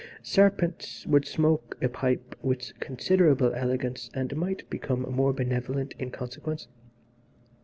Serpents would smoke a pipe with considerable elegance, and might become more benevolent in consequence.